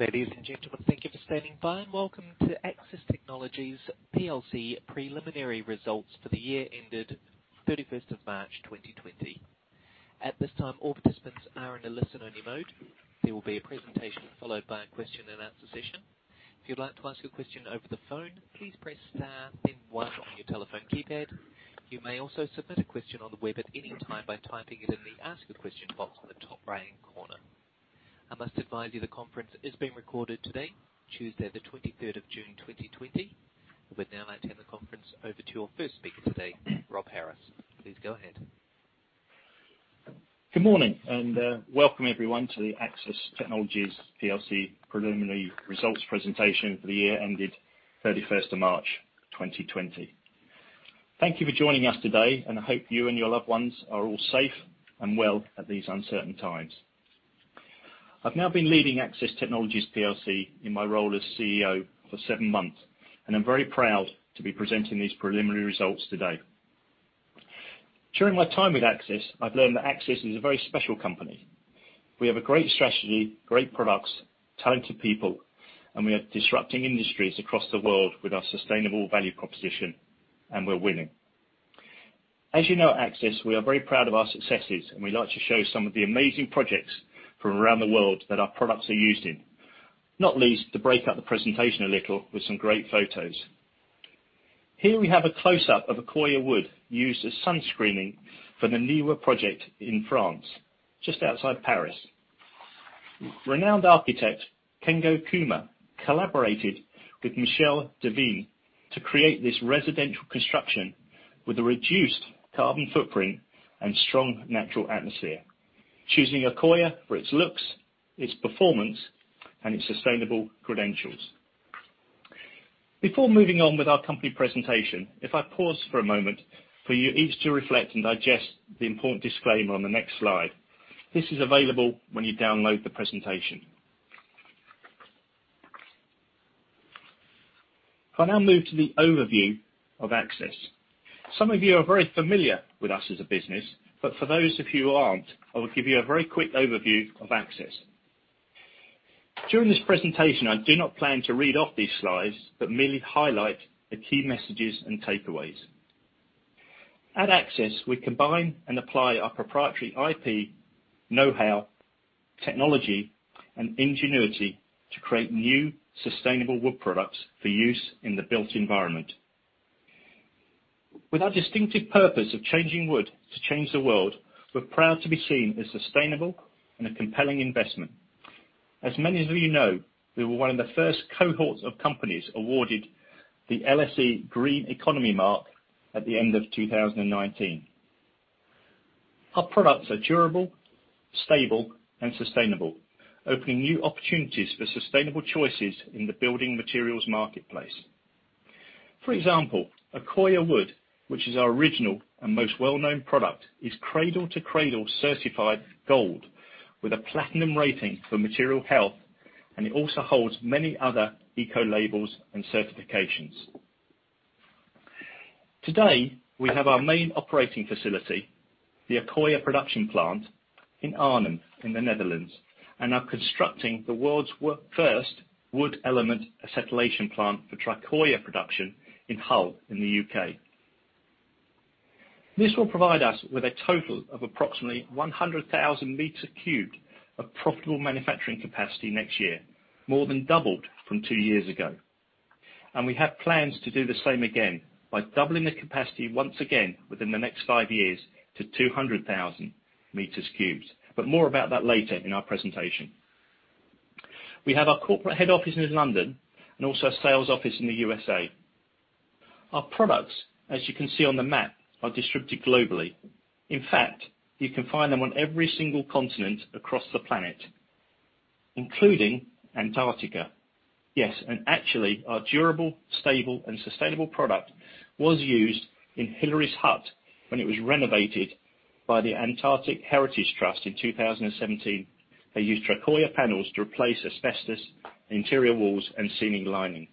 Ladies and gentlemen, thank you for standing by and welcome to Accsys Technologies PLC preliminary results for the year ended 31st of March 2020. At this time, all participants are in a listen-only mode. There will be a presentation followed by a question and answer session. If you would like to ask a question over the phone, please press star then one on your telephone keypad. You may also submit a question on the web at any time by typing it in the ask a question box at the top right-hand corner. I must advise you the conference is being recorded today, Tuesday the 23rd of June 2020. We would now like to hand the conference over to our first speaker today, Rob Harris. Please go ahead. Good morning and welcome everyone to the Accsys Technologies PLC preliminary results presentation for the year ended 31st of March 2020. Thank you for joining us today, and I hope you and your loved ones are all safe and well at these uncertain times. I've now been leading Accsys Technologies PLC in my role as CEO for seven months, and I'm very proud to be presenting these preliminary results today. During my time with Accsys, I've learned that Accsys is a very special company. We have a great strategy, great products, talented people, and we are disrupting industries across the world with our sustainable value proposition, and we're winning. As you know, at Accsys, we are very proud of our successes, and we like to show some of the amazing projects from around the world that our products are used in. Not least to break up the presentation a little with some great photos. Here we have a close-up of Accoya wood used as sun screening for the NIWA project in France, just outside Paris. Renowned architect Kengo Kuma collaborated with Michel Desvigne to create this residential construction with a reduced carbon footprint and strong natural atmosphere. Choosing Accoya for its looks, its performance, and its sustainable credentials. Before moving on with our company presentation, if I pause for a moment for you each to reflect and digest the important disclaimer on the next slide. This is available when you download the presentation. I now move to the overview of Accsys. Some of you are very familiar with us as a business, but for those of you who aren't, I will give you a very quick overview of Accsys. During this presentation, I do not plan to read off these slides but merely highlight the key messages and takeaways. At Accsys, we combine and apply our proprietary IP, know-how, technology, and ingenuity to create new sustainable wood products for use in the built environment. With our distinctive purpose of changing wood to change the world, we're proud to be seen as sustainable and a compelling investment. As many of you know, we were one of the first cohorts of companies awarded the LSE Green Economy Mark at the end of 2019. Our products are durable, stable and sustainable, opening new opportunities for sustainable choices in the building materials marketplace. For example, Accoya wood, which is our original and most well-known product, is Cradle to Cradle certified Gold with a Platinum rating for material health, and it also holds many other eco labels and certifications. Today, we have our main operating facility, the Accoya production plant in Arnhem in the Netherlands, and are constructing the world's first wood element acetylation plant for Tricoya production in Hull in the U.K. This will provide us with a total of approximately 100,000 meters cubed of profitable manufacturing capacity next year, more than doubled from two years ago. We have plans to do the same again by doubling the capacity once again within the next five years to 200,000 meters cubed. More about that later in our presentation. We have our corporate head office in London and also a sales office in the USA. Our products, as you can see on the map, are distributed globally. In fact, you can find them on every single continent across the planet, including Antarctica. Yes, actually, our durable, stable and sustainable product was used in Hillary's Hut when it was renovated by the Antarctic Heritage Trust in 2017. They used Tricoya panels to replace asbestos interior walls and ceiling linings.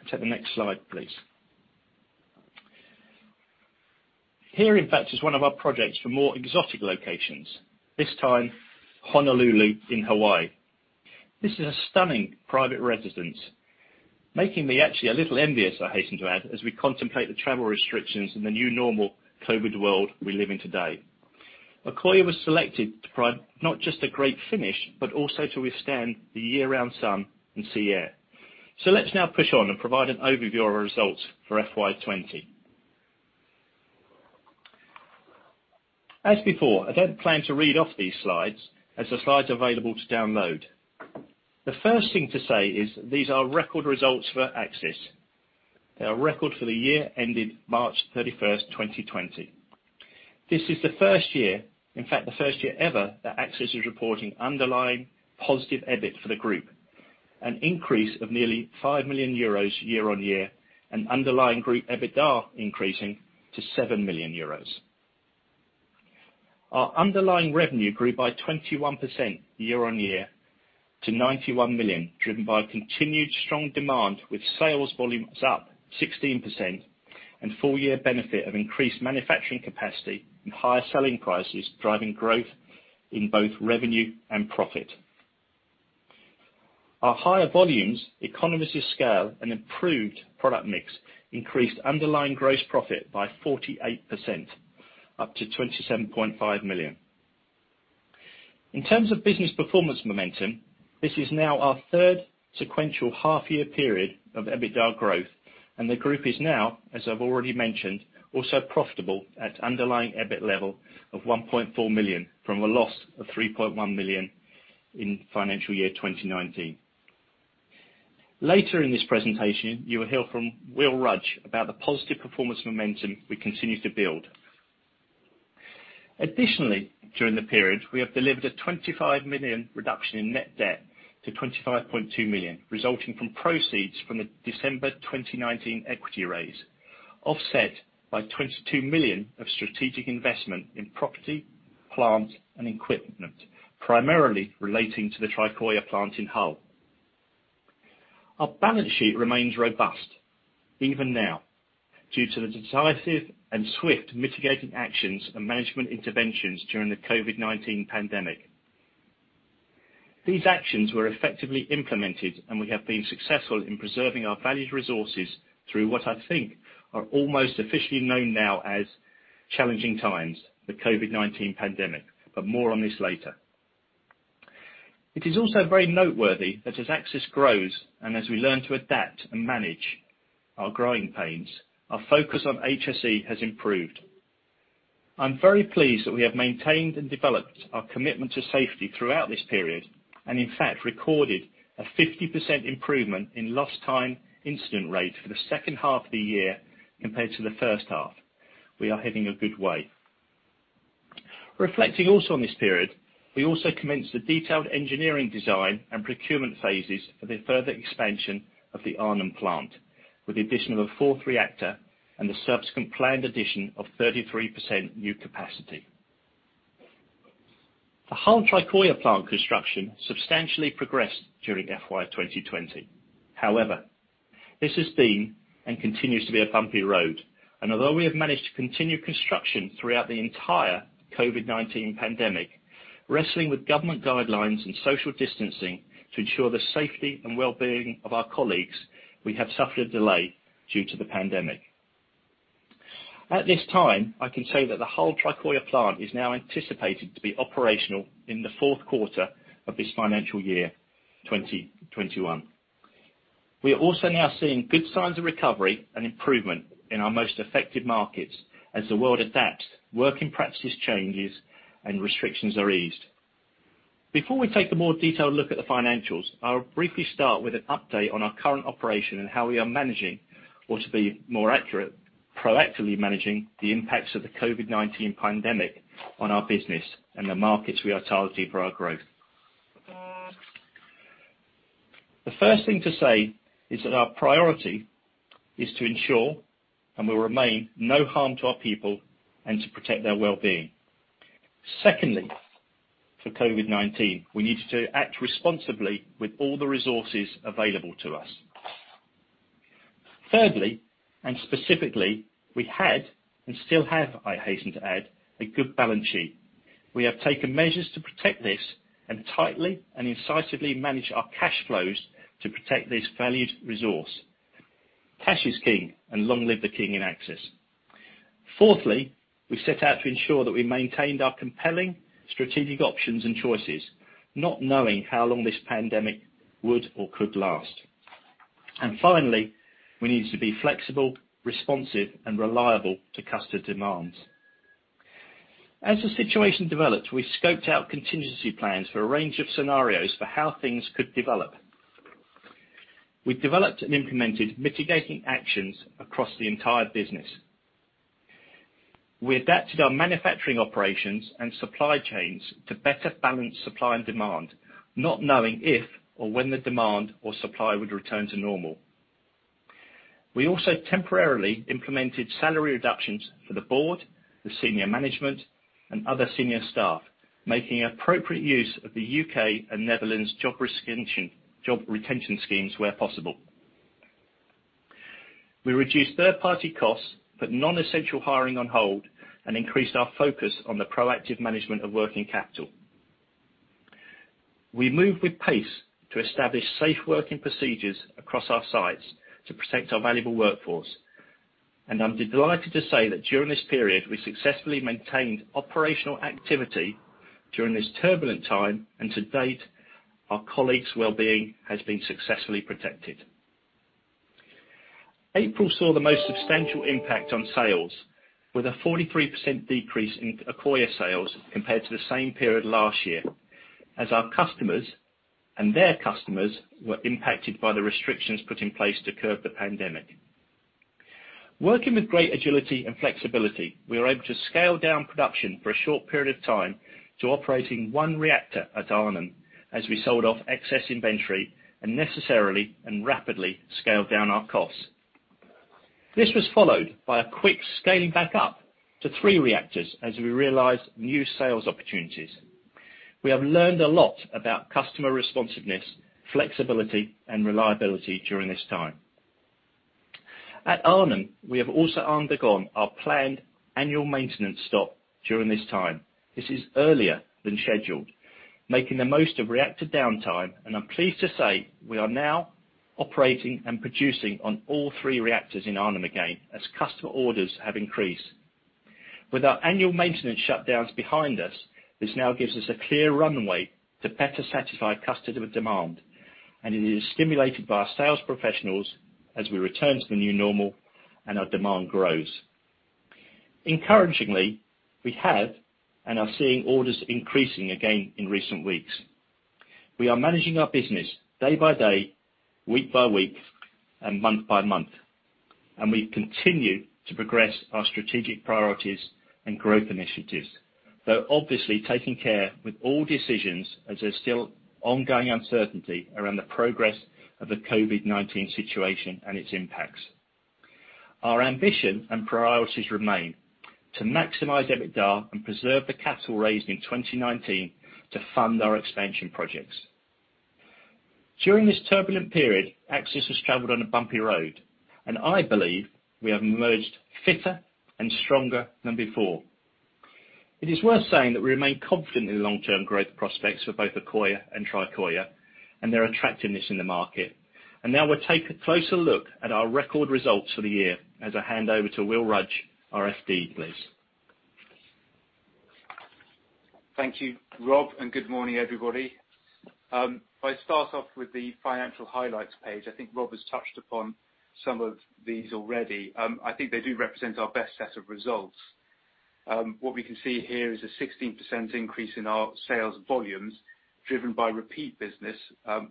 Let's have the next slide, please. Here, in fact, is one of our projects for more exotic locations, this time Honolulu in Hawaii. This is a stunning private residence, making me actually a little envious, I hasten to add, as we contemplate the travel restrictions in the new normal COVID world we live in today. Accoya was selected to provide not just a great finish, but also to withstand the year-round sun and sea air. Let's now push on and provide an overview of our results for FY 2020. As before, I don't plan to read off these slides as the slides are available to download. The first thing to say is these are record results for Accsys. They are record for the year ended March 31st, 2020. This is the first year, in fact, the first year ever that Accsys is reporting underlying positive EBIT for the group, an increase of nearly 5 million euros year-on-year and underlying group EBITDA increasing to 7 million euros. Our underlying revenue grew by 21% year-on-year to 91 million, driven by continued strong demand with sales volumes up 16%. Full-year benefit of increased manufacturing capacity and higher selling prices driving growth in both revenue and profit. Our higher volumes, economies of scale, and improved product mix increased underlying gross profit by 48%, up to 27.5 million. In terms of business performance momentum, this is now our third sequential half-year period of EBITDA growth, and the group is now, as I've already mentioned, also profitable at underlying EBIT level of 1.4 million from a loss of 3.1 million in financial year 2019. Later in this presentation, you will hear from Will Rudge about the positive performance momentum we continue to build. During the period, we have delivered a 25 million reduction in net debt to 25.2 million, resulting from proceeds from the December 2019 equity raise, offset by 22 million of strategic investment in property, plant, and equipment, primarily relating to the Tricoya plant in Hull. Our balance sheet remains robust even now, due to the decisive and swift mitigating actions and management interventions during the COVID-19 pandemic. These actions were effectively implemented, and we have been successful in preserving our valued resources through what I think are almost officially known now as challenging times, the COVID-19 pandemic. More on this later. It is also very noteworthy that as Accsys grows and as we learn to adapt and manage our growing pains, our focus on HSE has improved. I'm very pleased that we have maintained and developed our commitment to safety throughout this period, and in fact recorded a 50% improvement in lost time incident rate for the second half of the year compared to the first half. We are heading a good way. Reflecting also on this period, we also commenced the detailed engineering design and procurement phases for the further expansion of the Arnhem plant, with the addition of a fourth reactor and the subsequent planned addition of 33% new capacity. The Hull Tricoya plant construction substantially progressed during FY 2020. However, this has been and continues to be a bumpy road, and although we have managed to continue construction throughout the entire COVID-19 pandemic, wrestling with government guidelines and social distancing to ensure the safety and wellbeing of our colleagues, we have suffered a delay due to the pandemic. At this time, I can say that the Hull Tricoya plant is now anticipated to be operational in the fourth quarter of this financial year 2021. We are also now seeing good signs of recovery and improvement in our most affected markets as the world adapts, working practices changes, and restrictions are eased. Before we take a more detailed look at the financials, I'll briefly start with an update on our current operation and how we are managing, or to be more accurate, proactively managing the impacts of the COVID-19 pandemic on our business and the markets we are targeting for our growth. The first thing to say is that our priority is to ensure, and will remain, no harm to our people and to protect their wellbeing. Secondly, for COVID-19, we needed to act responsibly with all the resources available to us. Thirdly, and specifically, we had and still have, I hasten to add, a good balance sheet. We have taken measures to protect this and tightly and incisively manage our cash flows to protect this valued resource. Cash is king and long live the king in Accsys. Fourthly, we set out to ensure that we maintained our compelling strategic options and choices, not knowing how long this pandemic would or could last. Finally, we needed to be flexible, responsive, and reliable to customer demands. As the situation developed, we scoped out contingency plans for a range of scenarios for how things could develop. We developed and implemented mitigating actions across the entire business. We adapted our manufacturing operations and supply chains to better balance supply and demand, not knowing if or when the demand or supply would return to normal. We also temporarily implemented salary reductions for the board, the senior management, and other senior staff, making appropriate use of the U.K. and Netherlands job retention schemes where possible. We reduced third-party costs, put non-essential hiring on hold, and increased our focus on the proactive management of working capital. We moved with pace to establish safe working procedures across our sites to protect our valuable workforce, and I'm delighted to say that during this period, we successfully maintained operational activity during this turbulent time, and to date, our colleagues' wellbeing has been successfully protected. April saw the most substantial impact on sales, with a 43% decrease in Accoya sales compared to the same period last year, as our customers and their customers were impacted by the restrictions put in place to curb the pandemic. Working with great agility and flexibility, we were able to scale down production for a short period of time to operating one reactor at Arnhem as we sold off excess inventory and necessarily and rapidly scaled down our costs. This was followed by a quick scaling back up to three reactors as we realized new sales opportunities. We have learned a lot about customer responsiveness, flexibility, and reliability during this time. At Arnhem, we have also undergone our planned annual maintenance stop during this time. This is earlier than scheduled, making the most of reactor downtime, and I'm pleased to say we are now operating and producing on all three reactors in Arnhem again as customer orders have increased. With our annual maintenance shutdowns behind us, this now gives us a clear runway to better satisfy customer demand, and it is stimulated by our sales professionals as we return to the new normal and our demand grows. Encouragingly, we have and are seeing orders increasing again in recent weeks. We are managing our business day by day, week by week, and month by month, and we continue to progress our strategic priorities and growth initiatives. Obviously taking care with all decisions as there's still ongoing uncertainty around the progress of the COVID-19 situation and its impacts. Our ambition and priorities remain to maximize EBITDA and preserve the capital raised in 2019 to fund our expansion projects. During this turbulent period, Accsys has traveled on a bumpy road. I believe we have emerged fitter and stronger than before. It is worth saying that we remain confident in the long-term growth prospects for both Accoya and Tricoya and their attractiveness in the market. Now we'll take a closer look at our record results for the year as I hand over to Will Rudge, our FD, please. Thank you, Rob. Good morning, everybody. If I start off with the financial highlights page, I think Rob has touched upon some of these already. I think they do represent our best set of results. What we can see here is a 16% increase in our sales volumes, driven by repeat business,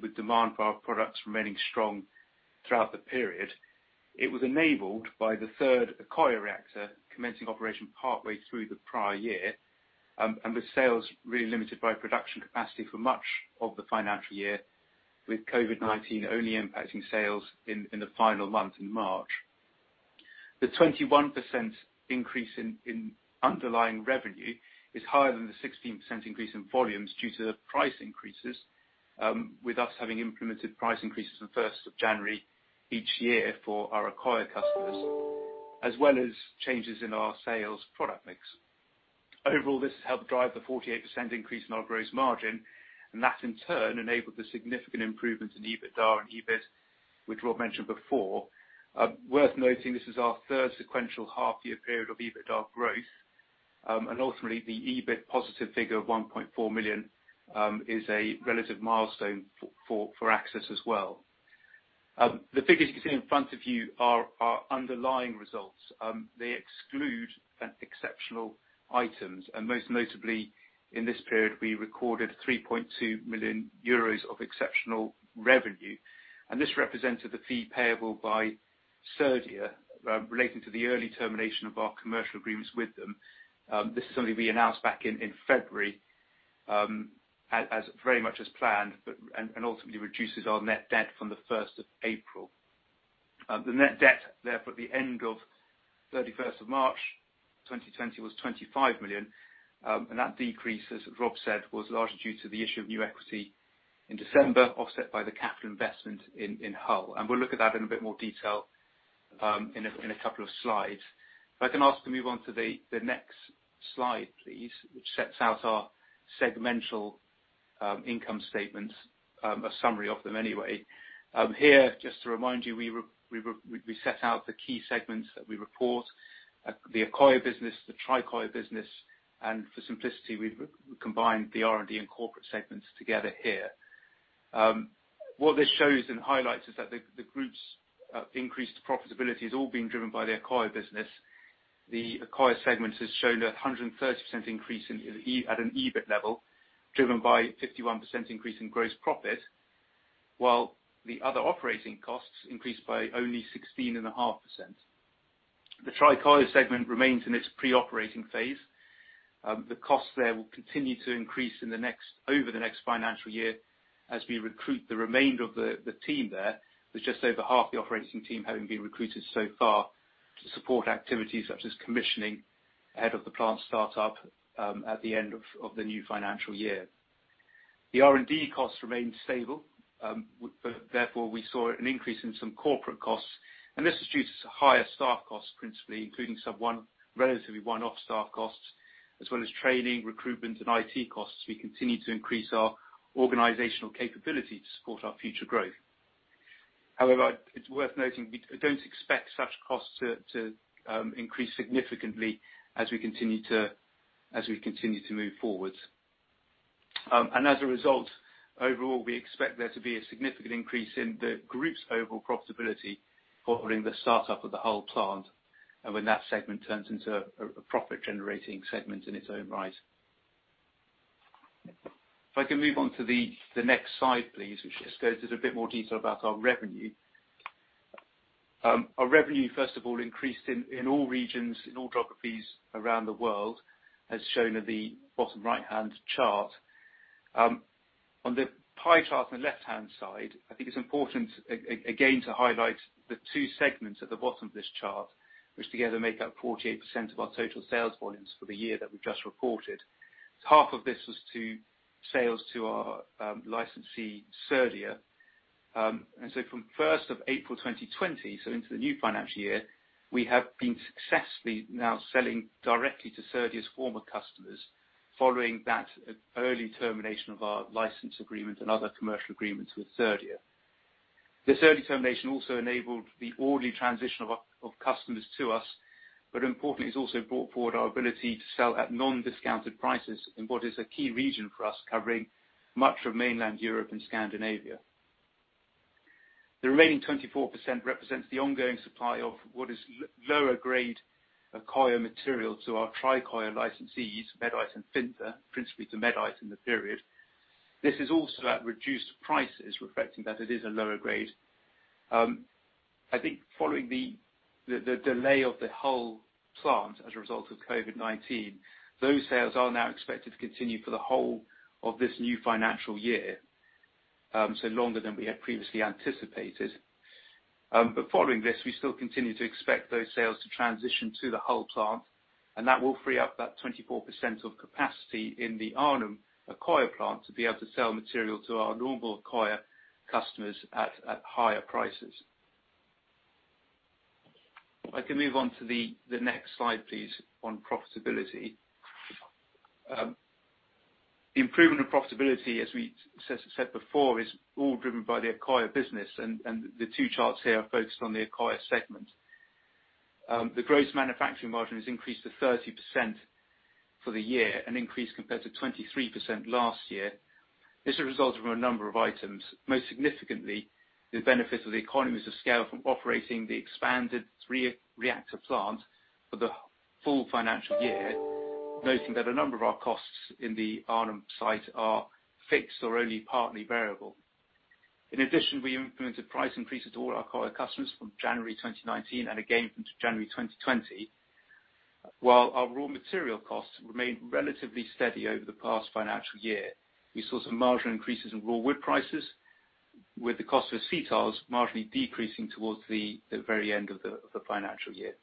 with demand for our products remaining strong throughout the period. It was enabled by the third Accoya reactor commencing operation partway through the prior year, and with sales really limited by production capacity for much of the financial year, with COVID-19 only impacting sales in the final month in March. The 21% increase in underlying revenue is higher than the 16% increase in volumes due to the price increases, with us having implemented price increases on the 1st of January each year for our Accoya customers, as well as changes in our sales product mix. Overall, this has helped drive the 48% increase in our gross margin. That in turn enabled the significant improvements in EBITDA and EBIT, which Rob mentioned before. Worth noting, this is our third sequential half year period of EBITDA growth, and ultimately the EBIT positive figure of 1.4 million is a relative milestone for Accsys as well. The figures you can see in front of you are our underlying results. They exclude exceptional items. Most notably in this period, we recorded 3.2 million euros of exceptional revenue. This represented the fee payable by Cerdia relating to the early termination of our commercial agreements with them. This is something we announced back in February, very much as planned. Ultimately reduces our net debt from the 1st of April. The net debt there for the end of 31st of March 2020 was 25 million, that decrease, as Rob said, was largely due to the issue of new equity in December, offset by the capital investment in Hull. We'll look at that in a bit more detail in a couple of slides. If I can ask to move on to the next slide, please, which sets out our segmental income statements, a summary of them anyway. Here, just to remind you, we set out the key segments that we report, the Accoya Business, the Tricoya Business, and for simplicity, we've combined the R&D and corporate segments together here. What this shows and highlights is that the group's increased profitability has all been driven by the Accoya Business. The Accoya segment has shown 130% increase at an EBIT level, driven by 51% increase in gross profit, while the other operating costs increased by only 16.5%. The Tricoya segment remains in its pre-operating phase. The costs there will continue to increase over the next financial year as we recruit the remainder of the team there, with just over half the operating team having been recruited so far to support activities such as commissioning ahead of the plant start-up at the end of the new financial year. The R&D costs remained stable. Therefore, we saw an increase in some corporate costs, and this is due to higher staff costs, principally, including relatively one-off staff costs, as well as training, recruitment, and IT costs. We continue to increase our organizational capability to support our future growth. However, it's worth noting we don't expect such costs to increase significantly as we continue to move forwards. As a result, overall, we expect there to be a significant increase in the group's overall profitability following the start-up of the Hull Plant and when that segment turns into a profit-generating segment in its own right. If I can move on to the next slide, please, which just goes into a bit more detail about our revenue. Our revenue, first of all, increased in all regions, in all geographies around the world, as shown in the bottom right-hand chart. On the pie chart on the left-hand side, I think it's important again to highlight the two segments at the bottom of this chart, which together make up 48% of our total sales volumes for the year that we've just reported. Half of this was to sales to our licensee, Cerdia. From the 1st of April 2020, so into the new financial year, we have been successfully now selling directly to Cerdia's former customers following that early termination of our license agreement and other commercial agreements with Cerdia. This early termination also enabled the orderly transition of customers to us, importantly, it's also brought forward our ability to sell at non-discounted prices in what is a key region for us, covering much of mainland Europe and Scandinavia. The remaining 24% represents the ongoing supply of what is lower grade Accoya material to our Tricoya licensees, Medite and FINSA, principally to Medite in the period. This is also at reduced prices, reflecting that it is a lower grade. I think following the delay of the Hull plant as a result of COVID-19, those sales are now expected to continue for the whole of this new financial year, so longer than we had previously anticipated. Following this, we still continue to expect those sales to transition to the Hull plant, and that will free up that 24% of capacity in the Arnhem Accoya plant to be able to sell material to our normal Accoya customers at higher prices. If I can move on to the next slide, please, on profitability. The improvement of profitability, as we said before, is all driven by the Accoya business and the two charts here are focused on the Accoya segment. The gross manufacturing margin has increased to 30% for the year, an increase compared to 23% last year. This is a result from a number of items, most significantly, the benefit of the economies of scale from operating the expanded three-reactor plant for the full financial year noting that a number of our costs in the Arnhem site are fixed or only partly variable. We implemented price increases to all our Accoya customers from January 2019 and again from January 2020. Our raw material costs remained relatively steady over the past financial year, we saw some marginal increases in raw wood prices with the cost of acetyls marginally decreasing towards the very end of the financial year.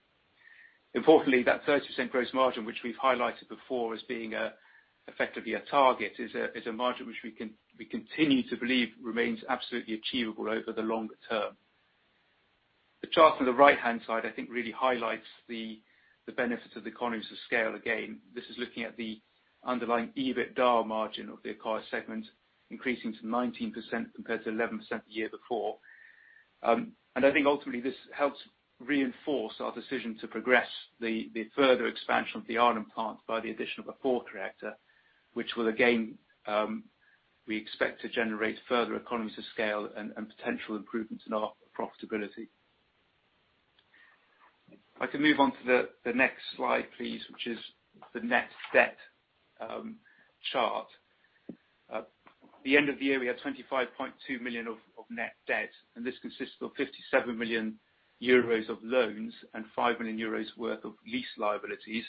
That 30% gross margin, which we've highlighted before as being effectively a target, is a margin which we continue to believe remains absolutely achievable over the longer term. The chart on the right-hand side, I think, really highlights the benefit of the economies of scale again. This is looking at the underlying EBITDA margin of the Accoya segment increasing to 19% compared to 11% the year before. I think ultimately this helps reinforce our decision to progress the further expansion of the Arnhem plant by the addition of a fourth reactor, which will again, we expect to generate further economies of scale and potential improvements in our profitability. If I can move on to the next slide, please, which is the net debt chart. At the end of the year, we had 25.2 million of net debt, and this consists of 57 million euros of loans and 5 million euros worth of lease liabilities,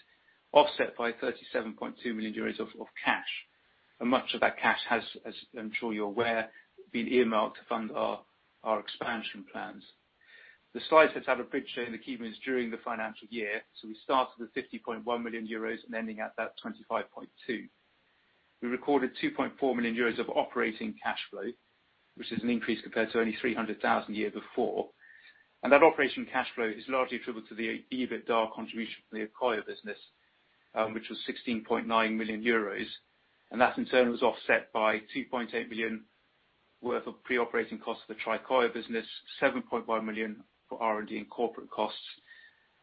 offset by 37.2 million euros of cash. Much of that cash has, as I'm sure you're aware, been earmarked to fund our expansion plans. The slide shows how the bridge change accumulates during the financial year. We started with 50.1 million euros and ending at that 25.2 million. We recorded 2.4 million euros of operating cash flow, which is an increase compared to only 300,000 a year before. That operating cash flow is largely attributable to the EBITDA contribution from the Accoya business, which was 16.9 million euros and that in turn was offset by 2.8 million worth of pre-operating costs for the Tricoya business, 7.1 million for R&D and corporate costs,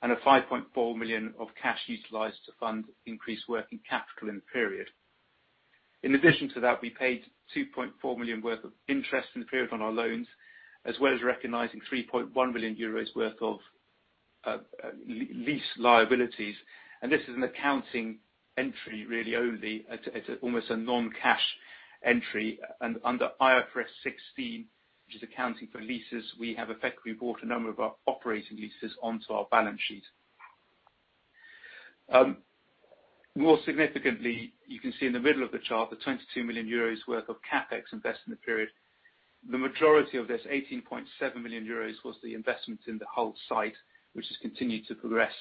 and 5.4 million of cash utilized to fund increased working capital in the period. In addition to that, we paid 2.4 million worth of interest in the period on our loans, as well as recognizing 3.1 million euros worth of lease liabilities. This is an accounting entry really only. It's almost a non-cash entry. Under IFRS 16, which is accounting for leases, we have effectively brought a number of our operating leases onto our balance sheet. More significantly, you can see in the middle of the chart the 22 million euros worth of CapEx invested in the period. The majority of this, 18.7 million euros, was the investment in the Hull site, which has continued to progress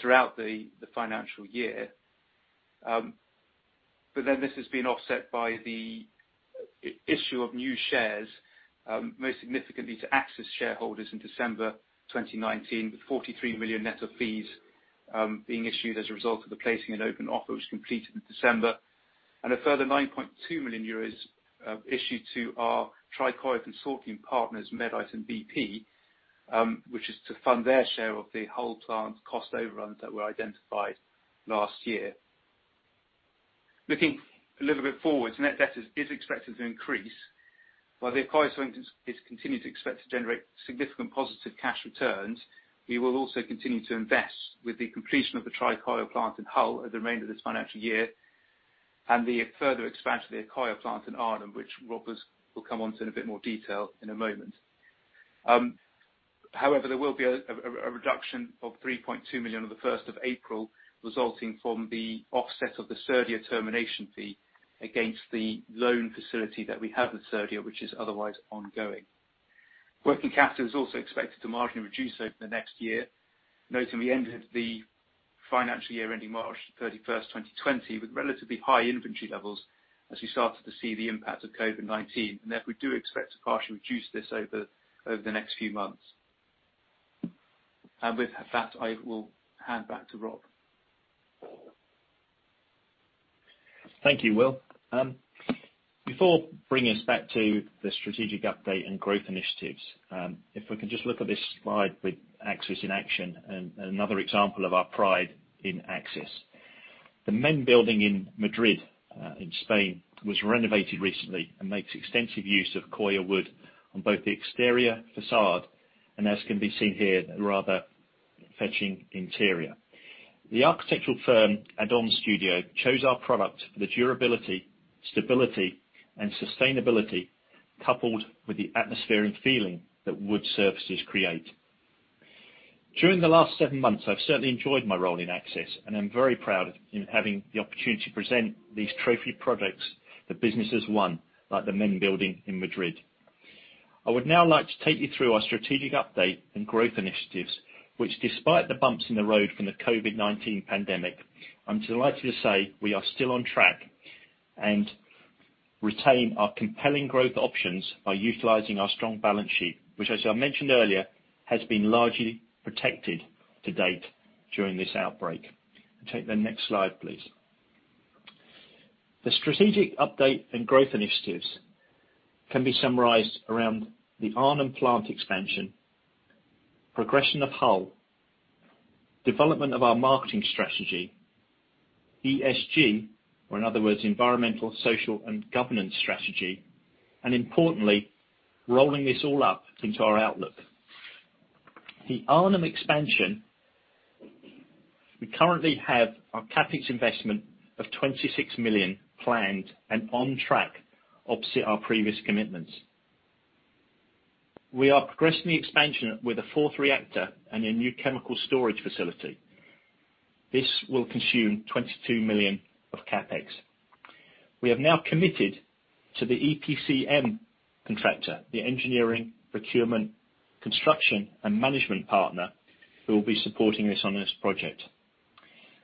throughout the financial year. This has been offset by the issue of new shares, most significantly to Accsys shareholders in December 2019, with 43 million net of fees being issued as a result of the placing an open offer which completed in December, and a further 9.2 million euros issued to our Tricoya consulting partners, Medite and BP which is to fund their share of the Hull plant cost overruns that were identified last year. Looking a little bit forward, net debt is expected to increase while the Accoya segment is continuing to expect to generate significant positive cash returns. We will also continue to invest with the completion of the Tricoya plant in Hull at the remainder of this financial year and the further expansion of the Accoya plant in Arnhem, which Rob will come on to in a bit more detail in a moment. There will be a reduction of 3.2 million on the 1st of April, resulting from the offset of the Cerdia termination fee against the loan facility that we have with Cerdia, which is otherwise ongoing. Working capital is also expected to marginally reduce over the next year. Notably, we ended the financial year ending March 31st, 2020, with relatively high inventory levels as we started to see the impact of COVID-19, therefore, we do expect to partially reduce this over the next few months. With that, I will hand back to Rob. Thank you, Will. Before bringing us back to the strategic update and growth initiatives, if we can just look at this slide with Accsys in action and another example of our pride in Accsys. The NEN building in Madrid, in Spain, was renovated recently and makes extensive use of Accoya wood on both the exterior facade and, as can be seen here, the rather fetching interior. The architectural firm, ADOM Studio, chose our product for the durability, stability, and sustainability, coupled with the atmospheric feeling that wood surfaces create. During the last seven months, I've certainly enjoyed my role in Accsys, and I'm very proud in having the opportunity to present these trophy products the business has won, like the NEN building in Madrid. I would now like to take you through our strategic update and growth initiatives, which despite the bumps in the road from the COVID-19 pandemic, I'm delighted to say we are still on track and retain our compelling growth options by utilizing our strong balance sheet, which as I mentioned earlier, has been largely protected to date during this outbreak. Take the next slide, please. The strategic update and growth initiatives can be summarized around the Arnhem plant expansion, progression of Hull, development of our marketing strategy, ESG, or in other words, environmental, social, and governance strategy, importantly, rolling this all up into our outlook. The Arnhem expansion, we currently have our CapEx investment of 26 million planned and on track opposite our previous commitments. We are progressing the expansion with a fourth reactor and a new chemical storage facility. This will consume 22 million of CapEx. We have now committed to the EPCM contractor, the engineering, procurement, construction, and management partner who will be supporting us on this project.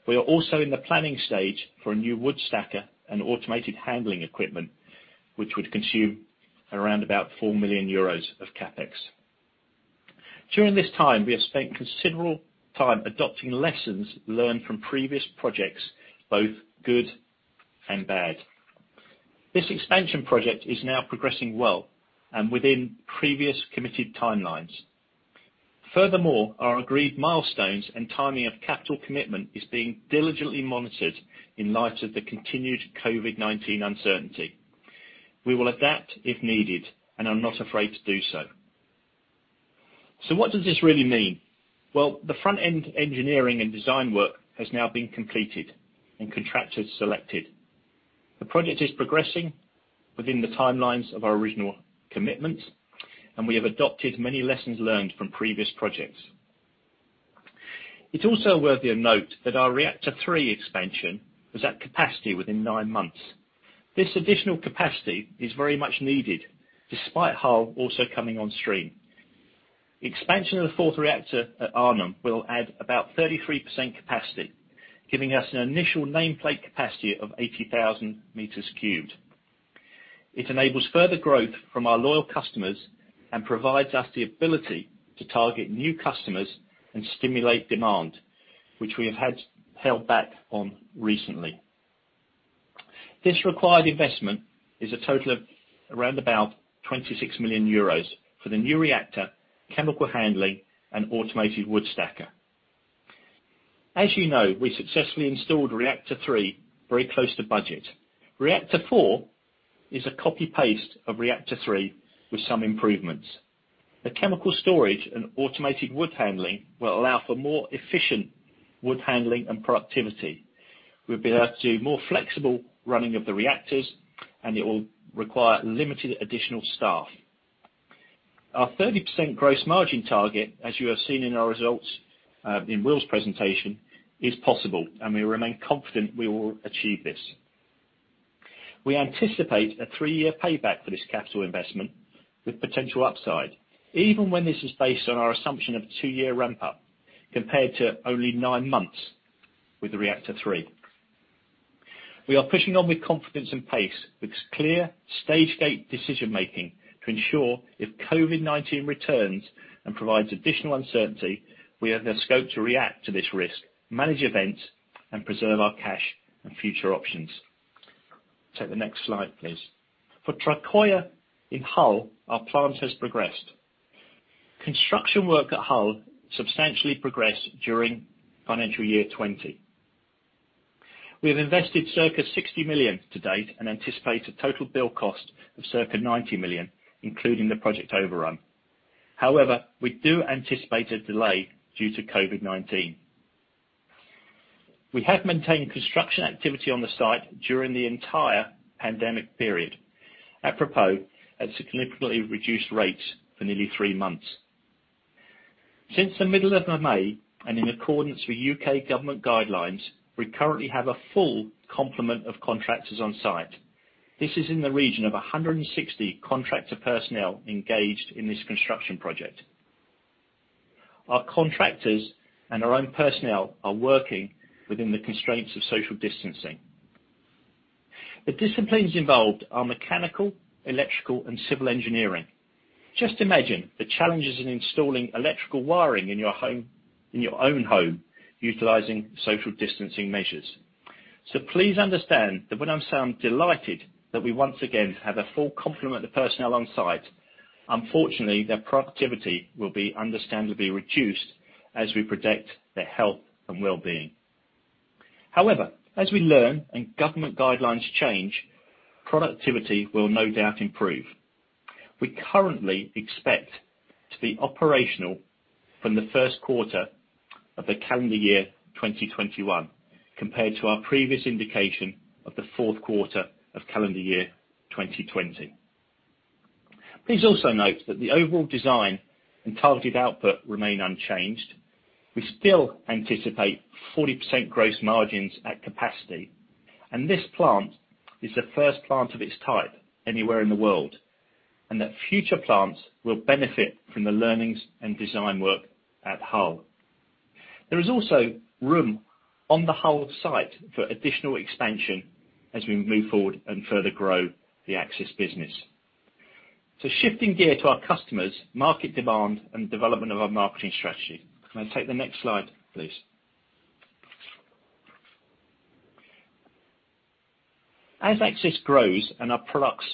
We are also in the planning stage for a new wood stacker and automated handling equipment, which would consume around about 4 million euros of CapEx. During this time, we have spent considerable time adopting lessons learned from previous projects, both good and bad. This expansion project is now progressing well and within previous committed timelines. Furthermore, our agreed milestones and timing of capital commitment is being diligently monitored in light of the continued COVID-19 uncertainty. We will adapt if needed, and are not afraid to do so. What does this really mean? Well, the front-end engineering and design work has now been completed and contractors selected. The project is progressing within the timelines of our original commitments, and we have adopted many lessons learned from previous projects. It's also worthy of note that our reactor three expansion was at capacity within nine months. This additional capacity is very much needed despite Hull also coming on stream. Expansion of the fourth reactor at Arnhem will add about 33% capacity, giving us an initial nameplate capacity of 80,000 meters cubed. It enables further growth from our loyal customers and provides us the ability to target new customers and stimulate demand, which we have held back on recently. This required investment is a total of around about 26 million euros for the new reactor, chemical handling, and automated wood stacker. As you know, we successfully installed reactor three very close to budget. Reactor four is a copy-paste of reactor three with some improvements. The chemical storage and automated wood handling will allow for more efficient wood handling and productivity. We've been able to do more flexible running of the reactors. It will require limited additional staff. Our 30% gross margin target, as you have seen in our results, in Will's presentation, is possible. We remain confident we will achieve this. We anticipate a three-year payback for this capital investment with potential upside, even when this is based on our assumption of a two-year ramp-up, compared to only nine months with the reactor three. We are pushing on with confidence and pace with clear stage gate decision-making to ensure if COVID-19 returns and provides additional uncertainty, we have the scope to react to this risk, manage events, and preserve our cash and future options. Take the next slide, please. For Tricoya in Hull, our plant has progressed. Construction work at Hull substantially progressed during FY 2020. We have invested circa 60 million to date and anticipate a total build cost of circa 90 million, including the project overrun. We do anticipate a delay due to COVID-19. We have maintained construction activity on the site during the entire pandemic period, apropos at significantly reduced rates for nearly three months. Since the middle of May, and in accordance with U.K. government guidelines, we currently have a full complement of contractors on site. This is in the region of 160 contractor personnel engaged in this construction project. Our contractors and our own personnel are working within the constraints of social distancing. The disciplines involved are mechanical, electrical, and civil engineering. Just imagine the challenges in installing electrical wiring in your own home, utilizing social distancing measures. Please understand that when I say I'm delighted that we once again have a full complement of personnel on site, unfortunately, their productivity will be understandably reduced as we protect their health and wellbeing. However, as we learn and government guidelines change, productivity will no doubt improve. We currently expect to be operational from the first quarter of the calendar year 2021, compared to our previous indication of the fourth quarter of calendar year 2020. Please also note that the overall design and targeted output remain unchanged. We still anticipate 40% gross margins at capacity, and this plant is the first plant of its type anywhere in the world, and that future plants will benefit from the learnings and design work at Hull. There is also room on the Hull site for additional expansion as we move forward and further grow the Accsys business. Shifting gear to our customers, market demand, and development of our marketing strategy. Can I take the next slide, please? As Accsys grows and our products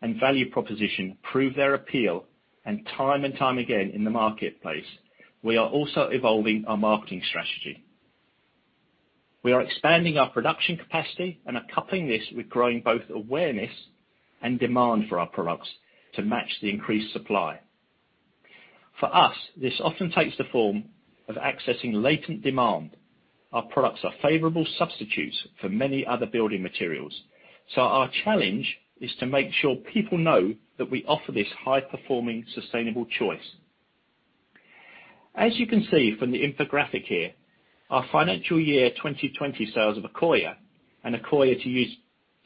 and value proposition prove their appeal and time and time again in the marketplace, we are also evolving our marketing strategy. We are expanding our production capacity and are coupling this with growing both awareness and demand for our products to match the increased supply. For us, this often takes the form of accessing latent demand. Our products are favorable substitutes for many other building materials. Our challenge is to make sure people know that we offer this high-performing, sustainable choice. As you can see from the infographic here, our financial year 2020 sales of Accoya and Accoya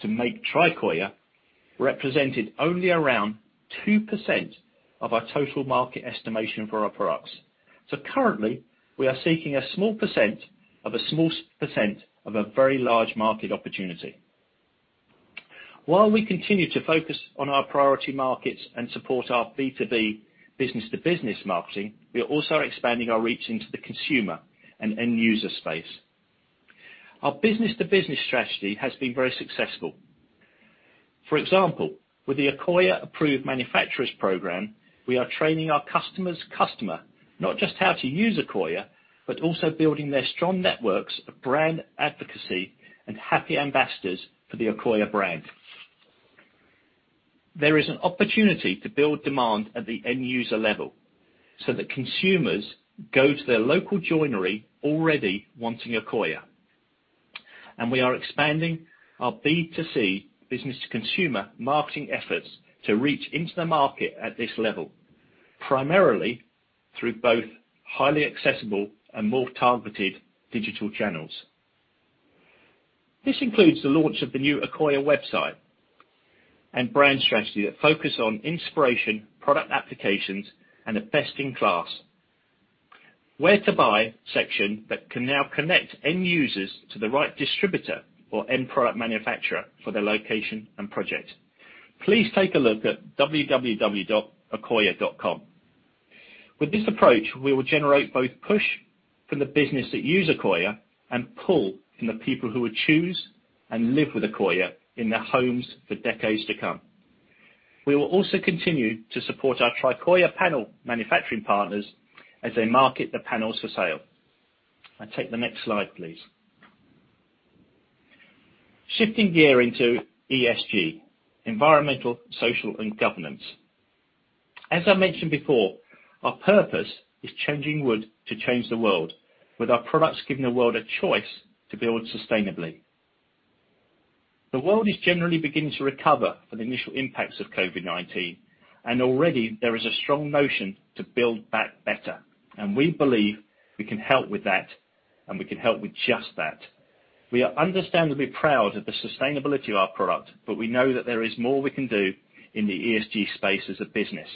to make Tricoya represented only around 2% of our total market estimation for our products. Currently, we are seeking a small percent of a small percent of a very large market opportunity. While we continue to focus on our priority markets and support our B2B, business-to-business marketing, we are also expanding our reach into the consumer and end user space. Our business-to-business strategy has been very successful. For example, with the Accoya Approved Manufacturer Programme, we are training our customer's customer not just how to use Accoya, but also building their strong networks of brand advocacy and happy ambassadors for the Accoya brand. There is an opportunity to build demand at the end user level so that consumers go to their local joinery already wanting Accoya. We are expanding our B2C, business to consumer marketing efforts to reach into the market at this level, primarily through both highly accessible and more targeted digital channels. This includes the launch of the new Accoya website and brand strategy that focus on inspiration, product applications, and a best-in-class Where to Buy section that can now connect end users to the right distributor or end product manufacturer for their location and project. Please take a look at www.accoya.com. With this approach, we will generate both push from the business that use Accoya and pull from the people who would choose and live with Accoya in their homes for decades to come. We will also continue to support our Tricoya panel manufacturing partners as they market the panels for sale. Take the next slide, please. Shifting gear into ESG, environmental, social, and governance. As I mentioned before, our purpose is changing wood to change the world, with our products giving the world a choice to build sustainably. The world is generally beginning to recover from the initial impacts of COVID-19, and already there is a strong motion to build back better, and we believe we can help with that, and we can help with just that. We are understandably proud of the sustainability of our product. We know that there is more we can do in the ESG space as a business.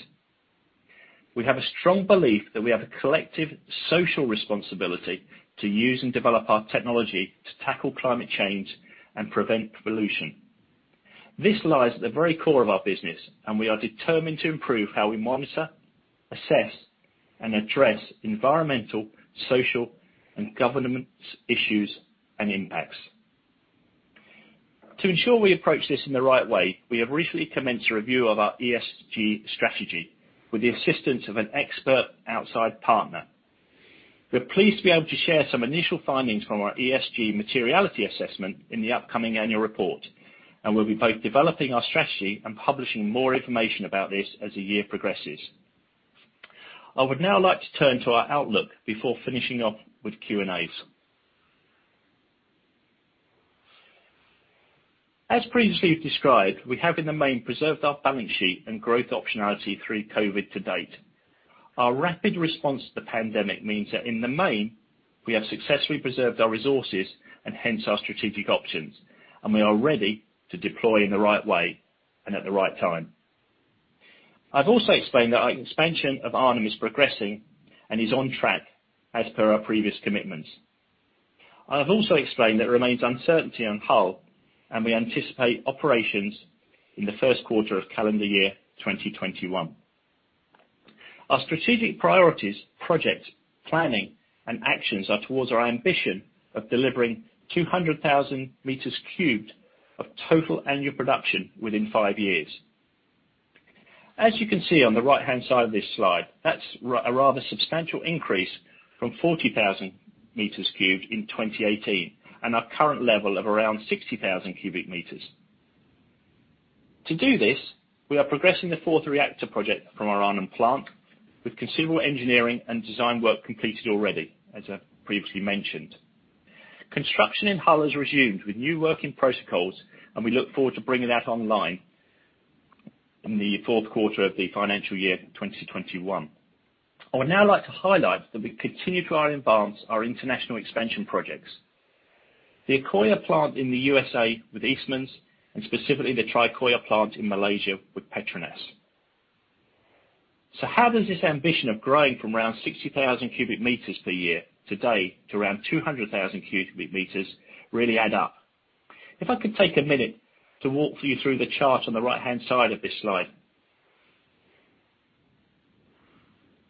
We have a strong belief that we have a collective social responsibility to use and develop our technology to tackle climate change and prevent pollution. This lies at the very core of our business. We are determined to improve how we monitor, assess, and address environmental, social, and governance issues and impacts. To ensure we approach this in the right way, we have recently commenced a review of our ESG strategy with the assistance of an expert outside partner. We're pleased to be able to share some initial findings from our ESG materiality assessment in the upcoming annual report. We'll be both developing our strategy and publishing more information about this as the year progresses. I would now like to turn to our outlook before finishing up with Q&As. As previously described, we have in the main preserved our balance sheet and growth optionality through COVID to date. Our rapid response to the pandemic means that in the main, we have successfully preserved our resources and hence our strategic options, and we are ready to deploy in the right way and at the right time. I've also explained that our expansion of Arnhem is progressing and is on track as per our previous commitments. I've also explained there remains uncertainty on Hull. We anticipate operations in the first quarter of calendar year 2021. Our strategic priorities, projects, planning, and actions are towards our ambition of delivering 200,000 meters cubed of total annual production within five years. As you can see on the right-hand side of this slide, that's a rather substantial increase from 40,000 meters cubed in 2018 and our current level of around 60,000 cubic meters. To do this, we are progressing the fourth reactor project from our Arnhem plant with considerable engineering and design work completed already, as I previously mentioned. Construction in Hull has resumed with new working protocols, and we look forward to bringing that online in the fourth quarter of the financial year 2021. I would now like to highlight that we continue to advance our international expansion projects: the Accoya plant in the U.S.A. with Eastman and specifically the Tricoya plant in Malaysia with Petronas. How does this ambition of growing from around 60,000 cubic meters per year today to around 200,000 cubic meters really add up? If I could take a minute to walk you through the chart on the right-hand side of this slide.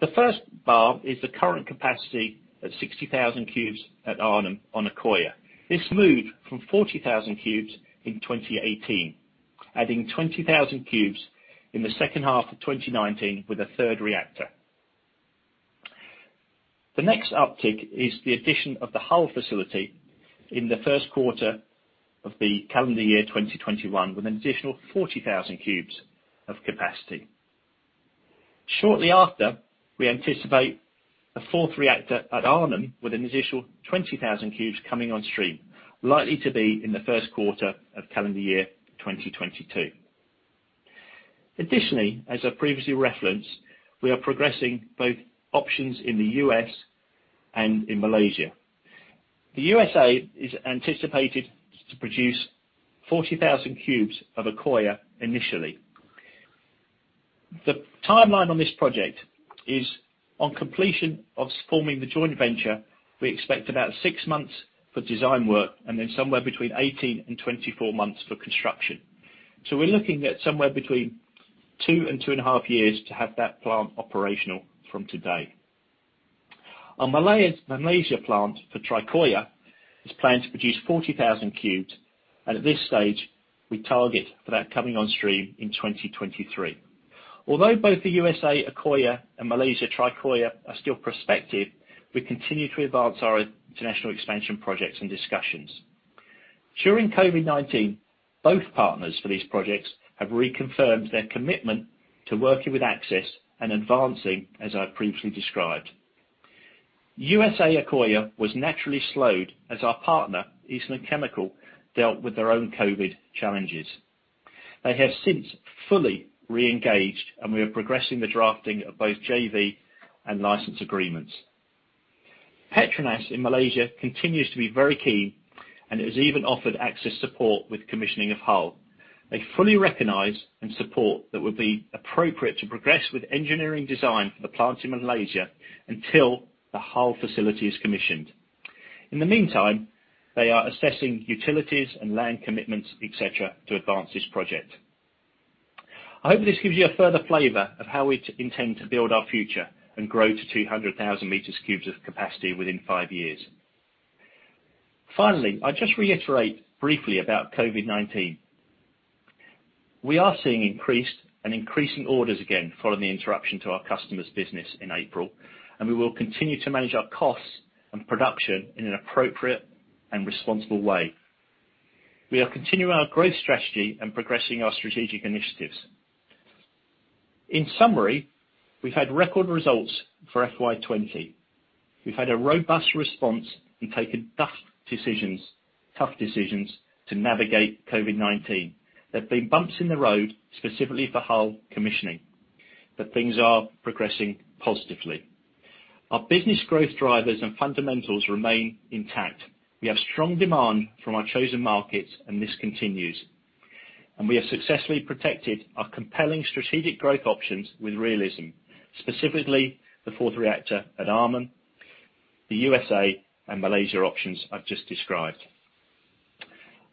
The first bar is the current capacity at 60,000 cubes at Arnhem on Accoya. This moved from 40,000 cubes in 2018, adding 20,000 cubes in the second half of 2019 with a third reactor. The next uptick is the addition of the Hull facility in the first quarter of the calendar year 2021 with an additional 40,000 cubes of capacity. Shortly after, we anticipate a fourth reactor at Arnhem with an additional 20,000 cubes coming on stream, likely to be in the first quarter of calendar year 2022. Additionally, as I previously referenced, we are progressing both options in the U.S. and in Malaysia. The U.S.A. is anticipated to produce 40,000 cubes of Accoya initially. The timeline on this project is on completion of forming the joint venture, we expect about six months for design work and then somewhere between 18 and 24 months for construction. We're looking at somewhere between two and two and a half years to have that plant operational from today. Our Malaysia plant for Tricoya is planned to produce 40,000 cubes, and at this stage, we target for that coming on stream in 2023. Although both the U.S.A. Accoya and Malaysia Tricoya are still prospective, we continue to advance our international expansion projects and discussions. During COVID-19, both partners for these projects have reconfirmed their commitment to working with Accsys and advancing as I've previously described. U.S.A. Accoya was naturally slowed as our partner, Eastman Chemical, dealt with their own COVID challenges. They have since fully re-engaged. We are progressing the drafting of both JV and license agreements. Petronas in Malaysia continues to be very keen and has even offered Accsys support with commissioning of Hull. They fully recognize and support that it would be appropriate to progress with engineering design for the plant in Malaysia until the Hull facility is commissioned. In the meantime, they are assessing utilities and land commitments, et cetera, to advance this project. I hope this gives you a further flavor of how we intend to build our future and grow to 200,000 cubic meters of capacity within five years. Finally, I just reiterate briefly about COVID-19. We are seeing increased and increasing orders again following the interruption to our customers' business in April. We will continue to manage our costs and production in an appropriate and responsible way. We are continuing our growth strategy and progressing our strategic initiatives. In summary, we've had record results for FY 2020. We've had a robust response and taken tough decisions to navigate COVID-19. There've been bumps in the road, specifically for Hull commissioning. Things are progressing positively. Our business growth drivers and fundamentals remain intact. We have strong demand from our chosen markets, and this continues. We have successfully protected our compelling strategic growth options with realism, specifically the fourth reactor at Arnhem, the U.S., and Malaysia options I've just described.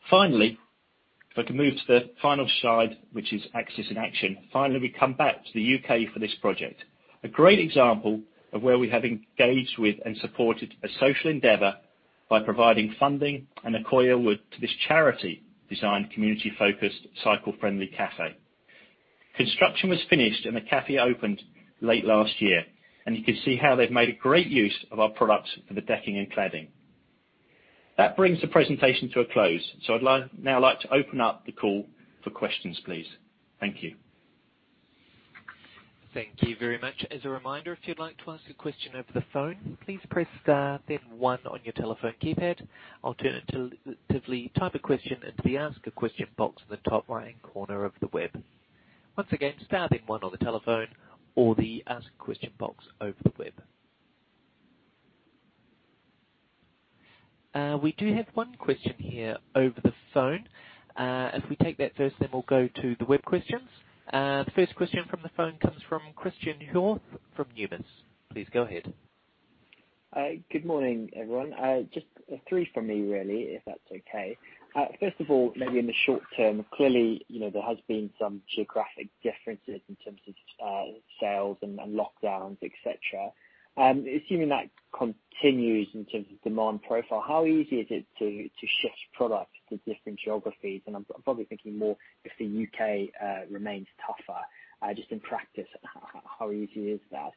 Finally, if I can move to the final slide, which is Accsys in action. Finally, we come back to the U.K. for this project. A great example of where we have engaged with and supported a social endeavor by providing funding, and Accoya wood to this charity-designed, community-focused, cycle-friendly café. Construction was finished, the café opened late last year, you can see how they've made a great use of our products for the decking and cladding. That brings the presentation to a close. I'd now like to open up the call for questions, please. Thank you. Thank you very much. As a reminder, if you'd like to ask a question over the phone, please press star then one on your telephone keypad. Alternatively, type a question into the ask a question box at the top right-hand corner of the web. Once again, star then one on the telephone or the ask a question box over the web. We do have one question here over the phone. If we take that first, then we'll go to the web questions. The first question from the phone comes from Christen Hjorth from Numis. Please go ahead. Good morning, everyone. Just three from me, really, if that's okay. Maybe in the short term, clearly, there has been some geographic differences in terms of sales and lockdowns, et cetera. Assuming that continues in terms of demand profile, how easy is it to shift product to different geographies? I'm probably thinking more if the U.K. remains tougher. Just in practice, how easy is that?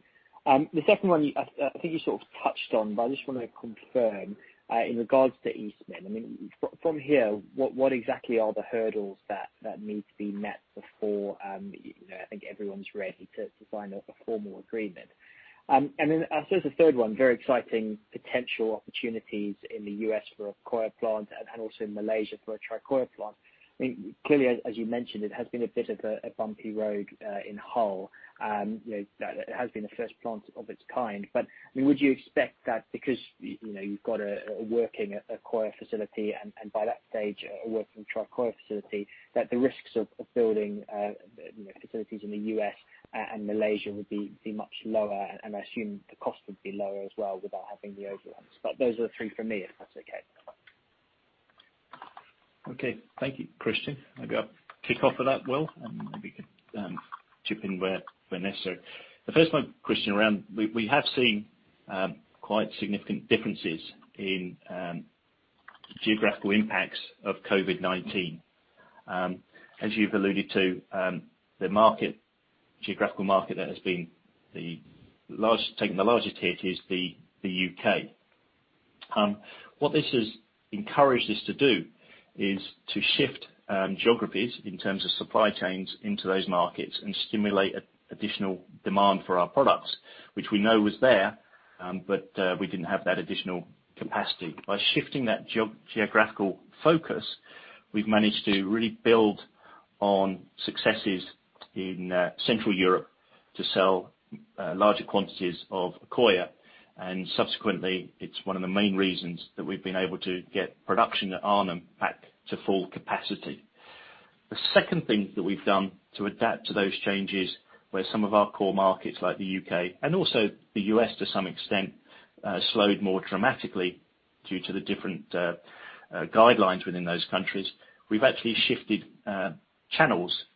I think you sort of touched on, but I just want to confirm, in regards to Eastman. From here, what exactly are the hurdles that need to be met before, I think everyone's ready to sign off a formal agreement? I suppose the third one, very exciting potential opportunities in the U.S. for Accoya plant and also in Malaysia for a Tricoya plant. Clearly, as you mentioned, it has been a bit of a bumpy road in Hull. That has been the first plant of its kind. Would you expect that because you've got a working Accoya facility, and by that stage, a working Tricoya facility, that the risks of building facilities in the U.S. and Malaysia would be much lower? I assume the cost would be lower as well without having the overruns. Those are the three from me, if that's okay. Okay. Thank you, Christen. Maybe I'll kick off with that, Will, and maybe you could chip in where necessary. The first one, Christen, around we have seen quite significant differences in geographical impacts of COVID-19. As you've alluded to, the geographical market that has taken the largest hit is the U.K. What this has encouraged us to do is to shift geographies in terms of supply chains into those markets and stimulate additional demand for our products, which we know was there, but we didn't have that additional capacity. By shifting that geographical focus, we've managed to really build on successes in Central Europe to sell larger quantities of Accoya, and subsequently, it's one of the main reasons that we've been able to get production at Arnhem back to full capacity. The second thing that we've done to adapt to those changes, where some of our core markets like the U.K. and also the U.S. to some extent, slowed more dramatically due to the different guidelines within those countries. We've actually shifted channels of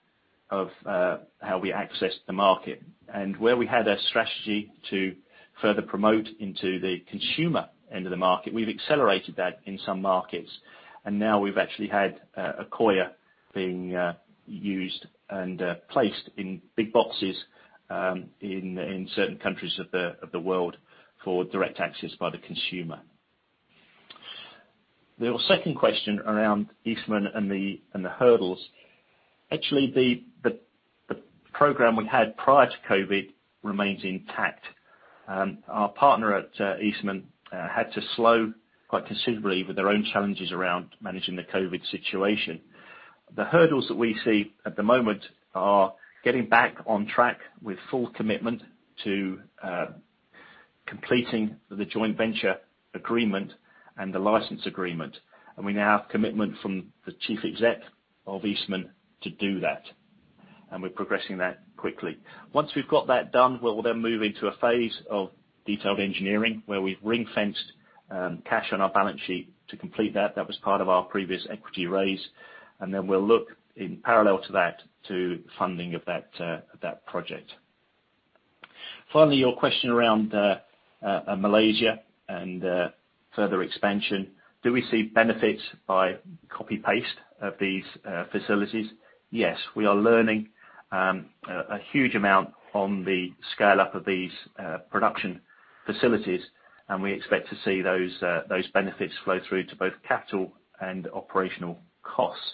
how we access the market. Where we had a strategy to further promote into the consumer end of the market, we've accelerated that in some markets, and now we've actually had Accoya being used and placed in big boxes in certain countries of the world for direct access by the consumer. Your second question around Eastman and the hurdles. Actually, the program we had prior to COVID remains intact. Our partner at Eastman had to slow quite considerably with their own challenges around managing the COVID situation. The hurdles that we see at the moment are getting back on track with full commitment to completing the joint venture agreement and the license agreement. We now have commitment from the Chief Exec of Eastman to do that, and we're progressing that quickly. Once we've got that done, we'll then move into a phase of detailed engineering where we've ring-fenced cash on our balance sheet to complete that. That was part of our previous equity raise, and then we'll look in parallel to that, to funding of that project. Finally, your question around Malaysia and further expansion. Do we see benefits by copy-paste of these facilities? Yes. We are learning a huge amount on the scale-up of these production facilities, and we expect to see those benefits flow through to both capital and operational costs.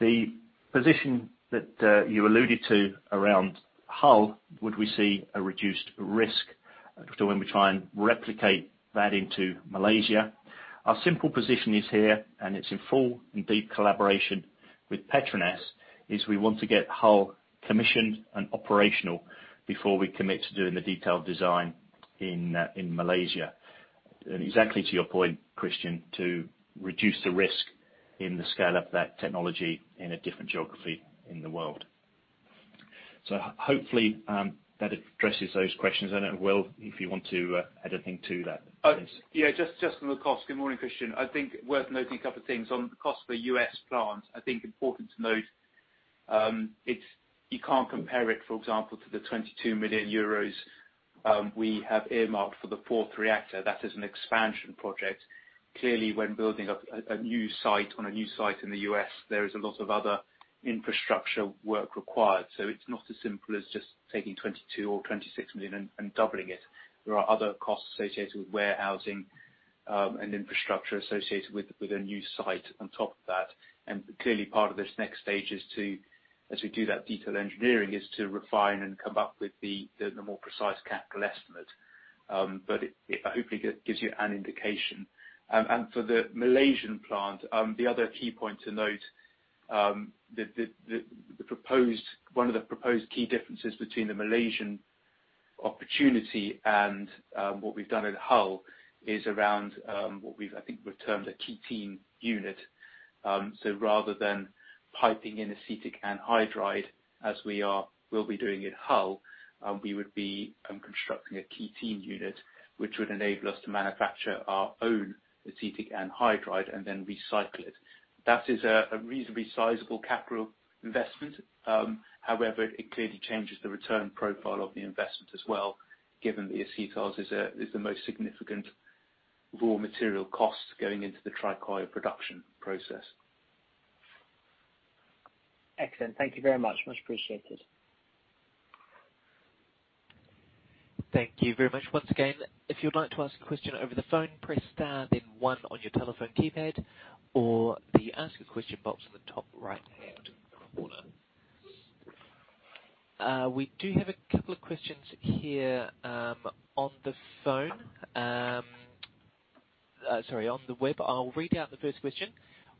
The position that you alluded to around Hull, would we see a reduced risk to when we try and replicate that into Malaysia? Our simple position is here, and it's in full and deep collaboration with Petronas, is we want to get Hull commissioned and operational before we commit to doing the detailed design in Malaysia. Exactly to your point, Christen, to reduce the risk in the scale-up of that technology in a different geography in the world. Hopefully, that addresses those questions. Will, if you want to add anything to that, please. Yeah, just on the cost. Good morning, Christen. I think worth noting a couple of things. On the cost of the U.S. plant, I think important to note, you can't compare it, for example, to the 22 million euros we have earmarked for the fourth reactor. That is an expansion project. When building on a new site in the U.S., there is a lot of other infrastructure work required. It's not as simple as just taking 22 million or 26 million and doubling it. There are other costs associated with warehousing and infrastructure associated with a new site on top of that. Clearly part of this next stage is to, as we do that detailed engineering, is to refine and come up with the more precise capital estimate. It hopefully gives you an indication. For the Malaysian plant, the other key point to note, one of the proposed key differences between the Malaysian opportunity and what we've done at Hull is around what we've, I think, termed a ketene unit. Rather than piping in acetic anhydride as we'll be doing at Hull, we would be constructing a ketene unit which would enable us to manufacture our own acetic anhydride and then recycle it. That is a reasonably sizable capital investment. However, it clearly changes the return profile of the investment as well, given the acetyls is the most significant raw material cost going into the Tricoya production process. Excellent. Thank you very much. Much appreciated. Thank you very much once again. If you'd like to ask a question over the phone, press star then one on your telephone keypad or the Ask a Question box on the top right-hand corner. We do have a couple of questions here on the phone. Sorry, on the web. I'll read out the first question.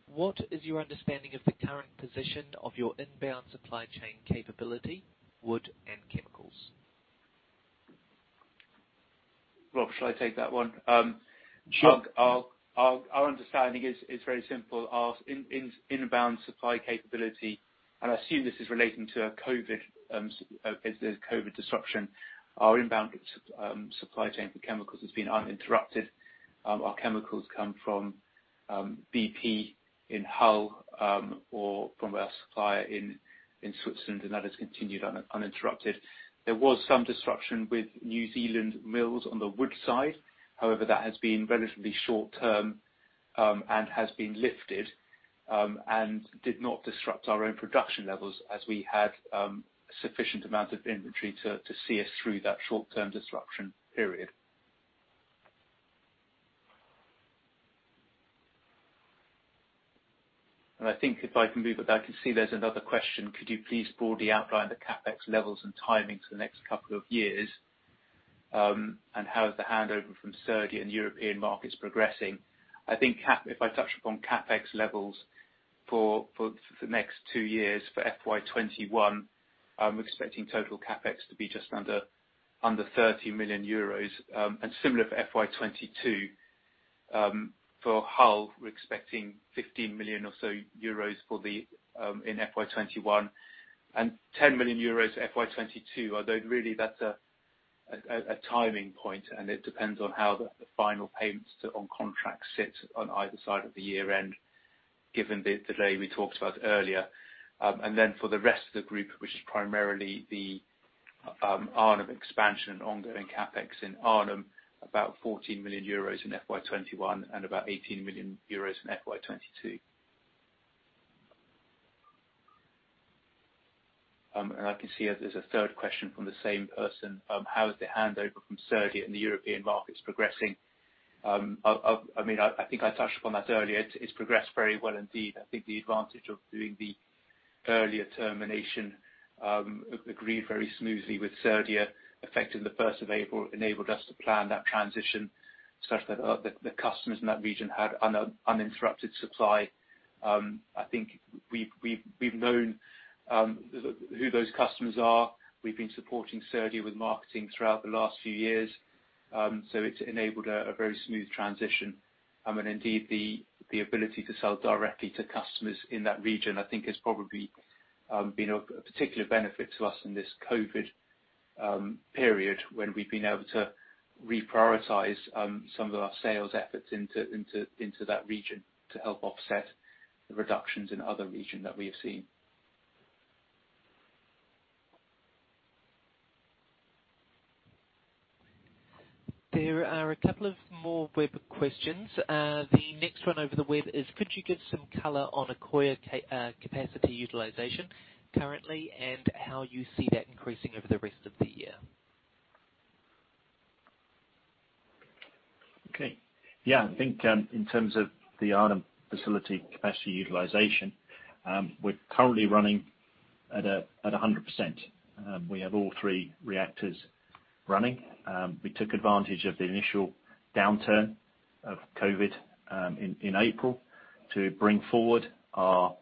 What is your understanding of the current position of your inbound supply chain capability, wood and chemicals? Rob, shall I take that one? Sure. Our understanding is very simple. Our inbound supply capability, and I assume this is relating to COVID disruption, our inbound supply chain for chemicals has been uninterrupted. Our chemicals come from BP in Hull or from our supplier in Switzerland, and that has continued uninterrupted. There was some disruption with New Zealand mills on the wood side. That has been relatively short-term and has been lifted and did not disrupt our own production levels as we had sufficient amount of inventory to see us through that short-term disruption period. I think if I can move back, I can see there is another question. Could you please broadly outline the CapEx levels and timing for the next couple of years? How is the handover from Cerdia and the European markets progressing? I think if I touch upon CapEx levels for the next two years for FY 2021, I'm expecting total CapEx to be just under 30 million euros. Similar for FY 2022. For Hull, we're expecting 15 million or so for in FY 2021 and 10 million euros FY 2022, although really that's a timing point and it depends on how the final payments on contracts sit on either side of the year-end given the delay we talked about earlier. Then for the rest of the group, which is primarily the Arnhem expansion and ongoing CapEx in Arnhem, about 14 million euros in FY 2021 and about 18 million euros in FY 2022. I can see there's a third question from the same person. How is the handover from Cerdia and the European markets progressing? I think I touched upon that earlier. It's progressed very well indeed. I think the advantage of doing the earlier termination agreed very smoothly with Cerdia, effective the 1st of April, enabled us to plan that transition such that the customers in that region had uninterrupted supply. I think we've known who those customers are. We've been supporting Cerdia with marketing throughout the last few years. It's enabled a very smooth transition. Indeed, the ability to sell directly to customers in that region, I think, has probably been of particular benefit to us in this COVID period when we've been able to reprioritize some of our sales efforts into that region to help offset the reductions in other region that we have seen. There are a couple of more web questions. The next one over the web is could you give some color on Accoya capacity utilization currently and how you see that increasing over the rest of the year? Okay. Yeah, I think in terms of the Arnhem facility capacity utilization, we're currently running at 100%. We have all three reactors running. We took advantage of the initial downturn of COVID in April to bring forward our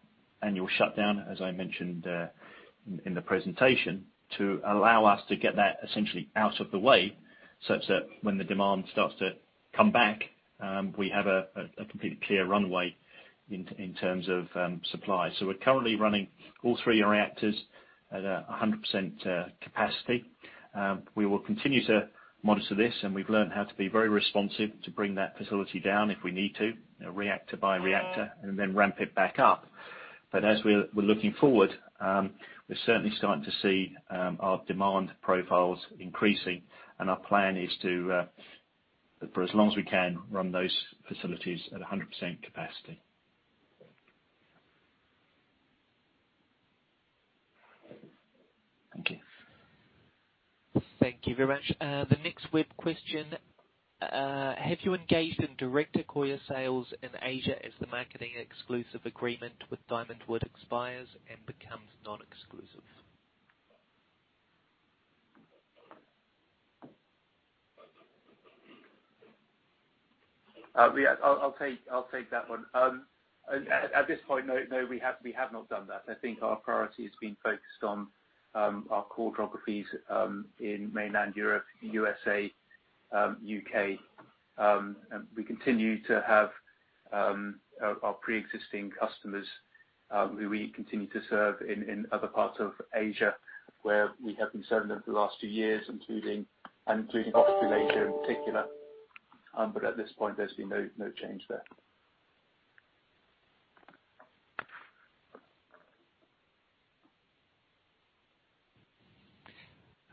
annual shutdown, as I mentioned in the presentation, to allow us to get that essentially out of the way such that when the demand starts to come back, we have a completely clear runway in terms of supply. We're currently running all three reactors at 100% capacity. We will continue to monitor this, and we've learned how to be very responsive to bring that facility down if we need to, reactor by reactor, and then ramp it back up. As we're looking forward, we're certainly starting to see our demand profiles increasing, and our plan is to, for as long as we can, run those facilities at 100% capacity. Thank you. Thank you very much. The next web question. Have you engaged in direct Accoya sales in Asia as the marketing exclusive agreement with Diamond Wood expires and becomes non-exclusive? Yes, I'll take that one. At this point, no, we have not done that. I think our priority has been focused on our core geographies in mainland Europe, U.S.A., U.K. We continue to have our pre-existing customers who we continue to serve in other parts of Asia, where we have been serving them for the last two years, including Southeast Asia in particular. At this point, there's been no change there.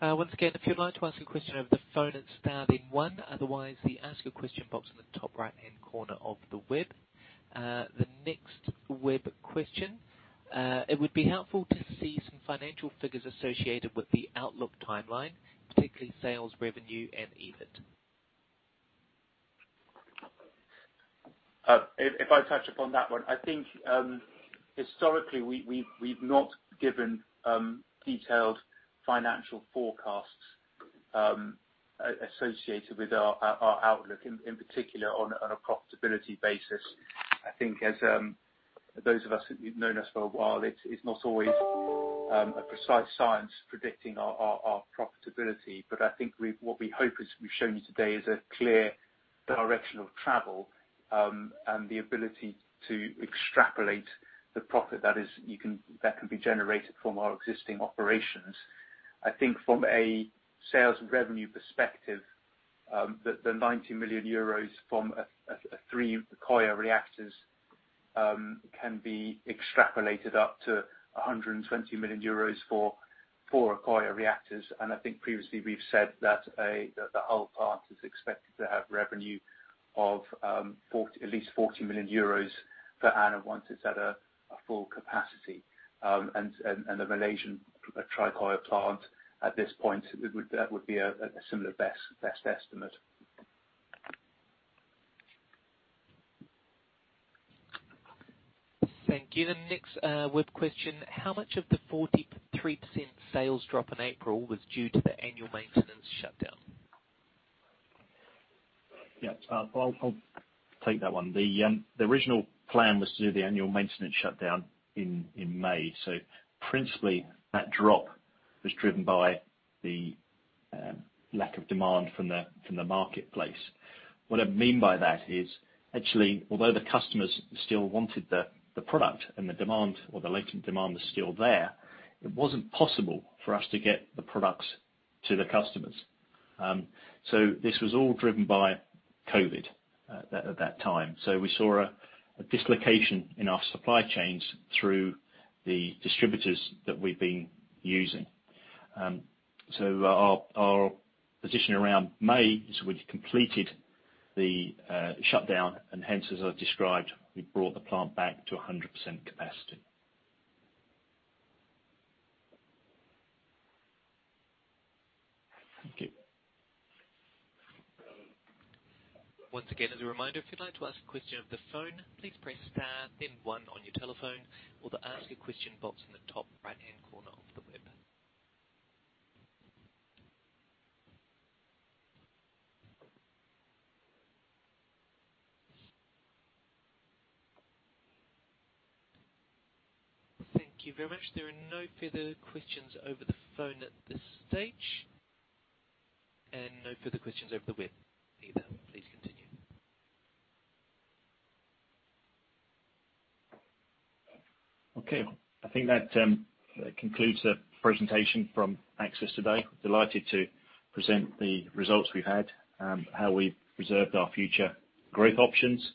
Once again, if you'd like to ask a question over the phone, it's star then one. Otherwise, the ask a question box on the top right-hand corner of the web. The next web question. It would be helpful to see some financial figures associated with the outlook timeline, particularly sales, revenue, and EBIT. If I touch upon that one. I think historically, we've not given detailed financial forecasts associated with our outlook, in particular on a profitability basis. I think as those of us who've known us for a while, it's not always a precise science predicting our profitability. I think what we hope is we've shown you today is a clear direction of travel and the ability to extrapolate the profit that can be generated from our existing operations. I think from a sales revenue perspective, the 90 million euros from three Accoya reactors can be extrapolated up to 120 million euros for four Accoya reactors. I think previously we've said that the Hull plant is expected to have revenue of at least 40 million euros per annum once it's at a full capacity. The Malaysian Tricoya plant at this point, that would be a similar best estimate. Thank you. The next web question. How much of the 43% sales drop in April was due to the annual maintenance shutdown? Yeah. I'll take that one. The original plan was to do the annual maintenance shutdown in May. Principally, that drop was driven by the lack of demand from the marketplace. What I mean by that is actually, although the customers still wanted the product and the demand or the latent demand was still there, it wasn't possible for us to get the products to the customers. This was all driven by COVID at that time. We saw a dislocation in our supply chains through the distributors that we've been using. Our position around May is we'd completed the shutdown and hence as I described, we brought the plant back to 100% capacity. Thank you. Once again, as a reminder, if you'd like to ask a question over the phone, please press star then one on your telephone or the ask a question box in the top right-hand corner of the web. Thank you very much. There are no further questions over the phone at this stage and no further questions over the web either. Please continue. Okay. I think that concludes the presentation from Accsys today. Delighted to present the results we've had, how we've preserved our future growth options.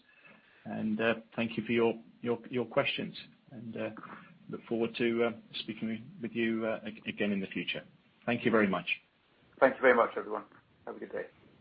Thank you for your questions and look forward to speaking with you again in the future. Thank you very much. Thank you very much, everyone. Have a good day.